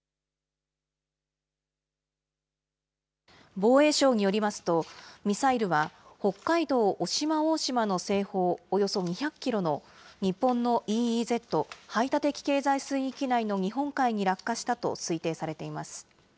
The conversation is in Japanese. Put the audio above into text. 防衛省によりますと、ミサイルは北海道渡島大島の西方およそ２００キロの日本のＥＥＺ・排他的経済水域内の日本海に落下したと推定されています。